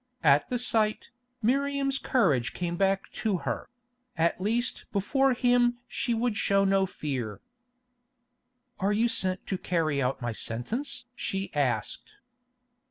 At the sight, Miriam's courage came back to her; at least before him she would show no fear. "Are you sent to carry out my sentence?" she asked.